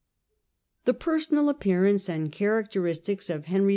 The personal appearance and characteristics of Henry IV.